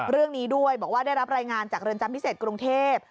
เรื่องนี้ด้วยบอกว่าได้รับรายงานจากเรือนจำพิเศษกรุงเทพ